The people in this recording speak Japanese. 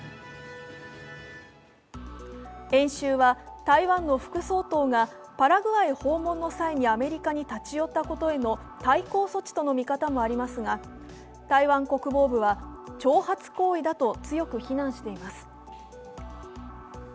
演習は台湾の副総統がパラグアイ訪問の際にアメリカに立ち寄ったことへの対抗措置という見方もありますが台湾国防部は挑発行為だと強く非難しています